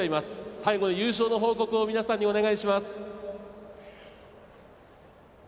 最後に優勝の報告を皆さんにお願いします。